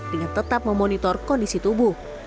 dengan tetap memonitor kondisi tubuh